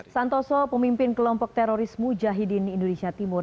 santoso pemimpin kelompok terorisme jahidin indonesia timur